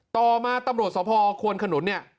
ต่อมาตำรวจสภควนขนุนเนี่ย